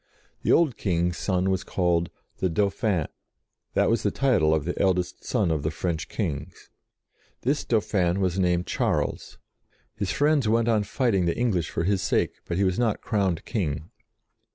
The old King's son was called "the Dauphin"; that was the title of the eldest son of the French kings. This Dauphin was named Charles. His friends went on fighting the English for his sake, but he was not crowned King.